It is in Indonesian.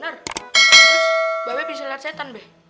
terus mbak be bisa liat setan be